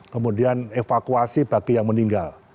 kemudian evakuasi bagi yang meninggal